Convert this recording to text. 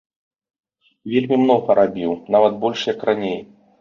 Вельмі многа рабіў, нават больш як раней.